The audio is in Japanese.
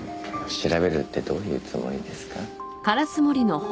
調べるってどういうつもりですか？